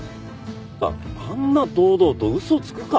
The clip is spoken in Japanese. あんな堂々と嘘つくか？